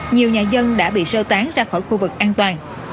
nhiều nhà dân đã bị sơ tán ra khỏi khu vực an toàn